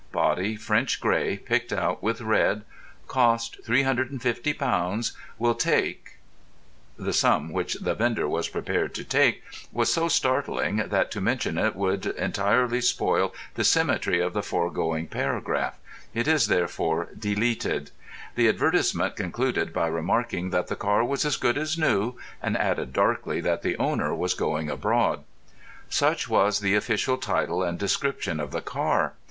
Body French grey picked out with red. Cost £350. Will take——_ The sum which the vendor was prepared to take was so startling, that to mention it would entirely spoil the symmetry of the foregoing paragraph. It is therefore deleted. The advertisement concluded by remarking that the car was as good as new, and added darkly that the owner was going abroad. Such was the official title and description of the car.